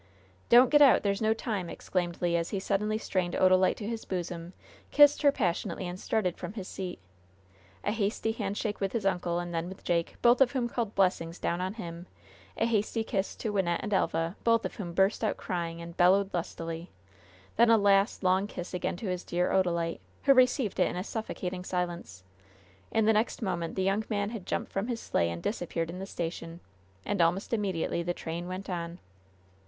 "Don't get out! there's no time!" exclaimed Le, as he suddenly strained Odalite to his bosom, kissed her passionately and started from his seat. A hasty handshake with his uncle and then with Jake, both of whom called blessings down on him; a hasty kiss to Wynnette and Elva, both of whom burst out crying and bellowed lustily; then a last long kiss again to his dear Odalite, who received it in a suffocating silence; and the next moment the young man had jumped from the sleigh and disappeared in the station, and almost immediately the train went on.